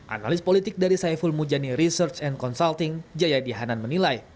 analis politik dari saiful mujani research and consulting jayadi hanan menilai